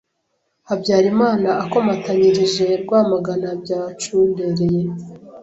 Habyarimana akomatanyirije Rwamagana byacundereye